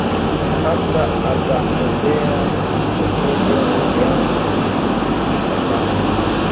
pasta ataombeya mutoto yangu iyi sabato